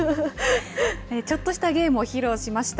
ちょっとしたゲームを披露しました。